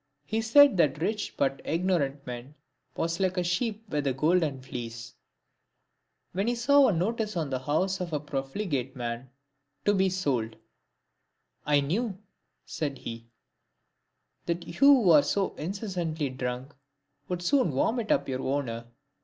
He said that a rich but ignorant man, was like a sheep with a golden fleece. When he saw a notice on the house of a profligate man, " To be sold." " I knew," said he, " that you who are so incessantly drunk, would soon vomit up your owner."